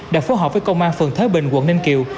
đã phối hợp với công an phường thới bình quận ninh kiều